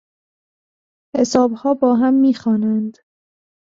حسابها با هم میخوانند.